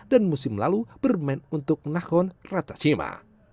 dan musim lalu bermain untuk nahon ratchashima